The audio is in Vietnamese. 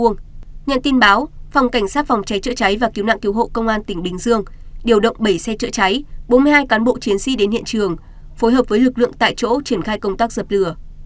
nhận tin báo phòng cảnh sát phòng cháy chữa cháy và cứu nạn cứu hộ công an tỉnh bình dương điều động bảy xe chữa cháy bốn mươi hai cán bộ chiến sĩ đến hiện trường phối hợp với lực lượng tại chỗ triển khai công tác dập lửa